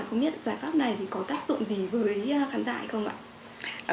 không biết giải pháp này có tác dụng gì với khán giả hay không ạ